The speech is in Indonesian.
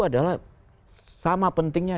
adalah sama pentingnya